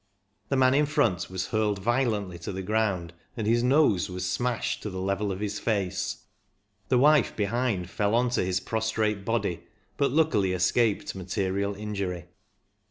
The man in front was hurled violently to the ground, and his nose was smashed to the level of his face; his wife behind fell on to his prostrate body, but luckily escaped material injury.